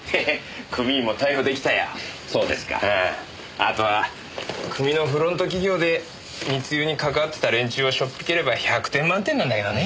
あとは組のフロント企業で密輸にかかわってた連中をしょっぴければ百点満点なんだけどね。